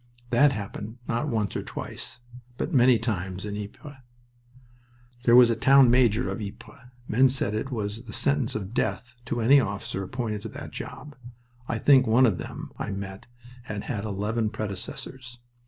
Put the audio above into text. That happened, not once or twice, but many times in Ypres. There was a Town Major of Ypres. Men said it was a sentence of death to any officer appointed to that job. I think one of them I met had had eleven predecessors.